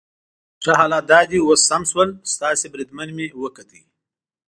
ښه، حالات دا دي اوس سم شول، ستاسي بریدمن مې وکوت.